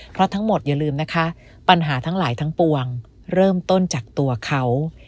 เพราะทั้งหมดอย่าลืมนะคะปัญหาทั้งหลายทั้งปวงเริ่มต้นจากตัวเขา